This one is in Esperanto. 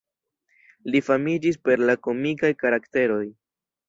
Li famiĝis per la komikaj karakteroj.